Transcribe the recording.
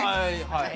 はい。